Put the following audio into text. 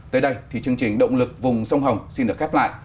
tới đây thì chương trình động lực vùng sông hồng xin được khép lại